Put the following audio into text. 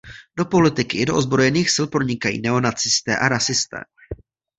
Do politiky i do ozbrojených sil pronikají neonacisté a rasisté.